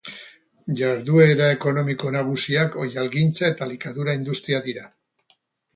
Jarduera ekonomiko nagusiak oihalgintza eta elikadura industria dira.